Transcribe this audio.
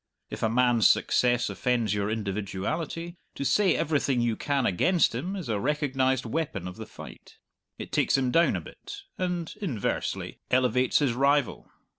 If a man's success offends your individuality, to say everything you can against him is a recognized weapon of the fight. It takes him down a bit, and (inversely) elevates his rival.